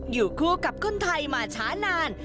อยู่คู่กับคนไทยมาช้านาน